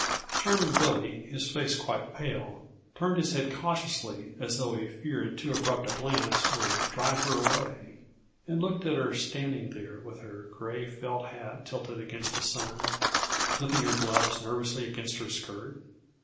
Charming Billy, his face quite pale, turned his head cautiously as though he feared too abrupt a glance would drive her away, and looked at her standing there with her gray felt hat tilted against the sun, flipping her gloves nervously against her skirt.